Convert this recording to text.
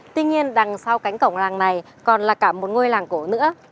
tuy nhiên đằng sau cánh cổng làng này còn là cả một ngôi làng cổ nữa